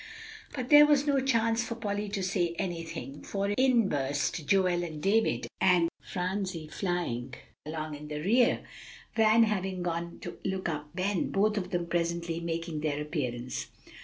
But there was no chance for Polly to say anything; for in burst Joel and David, with Phronsie flying along in the rear, Van having gone to look up Ben, both of them presently making their appearance.